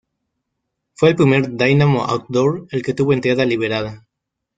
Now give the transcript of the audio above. Fue el primer Dynamo Outdoor el que tuvo entrada liberada.